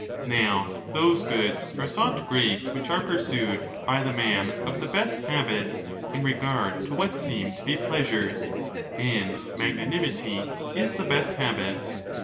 Now, those goods are thought great which are pursued by the man of the best habit in regard to what seem to be pleasures ;^ and magna 36 nimity is the best habit.